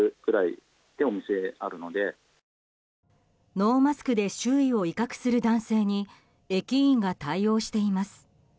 ノーマスクで周囲を威嚇する男性に駅員が対応しています。